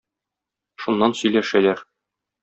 Шуннан сөйләшәләр.